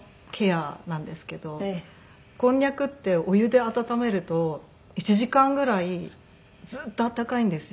こんにゃくってお湯で温めると１時間ぐらいずっと温かいんですよ。